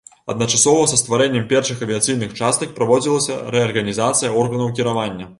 Адначасова са стварэннем першых авіяцыйных частак праводзілася рэарганізацыя органаў кіравання.